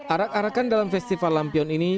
arak arakan dalam festival lampion ini